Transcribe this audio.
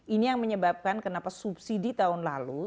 ini yang menyebabkan kenapa subsidi tahun lalu